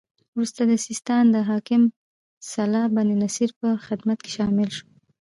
وروسته د سیستان د حاکم صالح بن نصر په خدمت کې شامل شو.